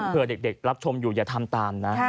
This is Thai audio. เพื่อเด็กรับชมอยู่อย่าทำตามนะ